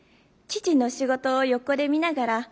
父の仕事を横で見ながら。